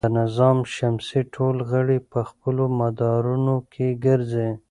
د نظام شمسي ټول غړي په خپلو مدارونو کې ګرځي.